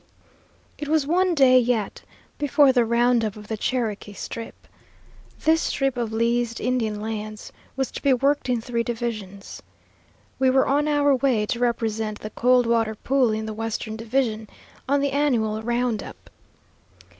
It was one day yet before the round up of the Cherokee Strip. This strip of leased Indian lands was to be worked in three divisions. We were on our way to represent the Coldwater Pool in the western division, on the annual round up.